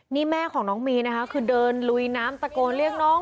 นี่แม่ของน้องมีนนะคะคือเดินลุยน้ำตะโกนเรียกน้อง